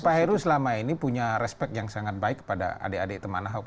pak heru selama ini punya respect yang sangat baik kepada adik adik teman ahok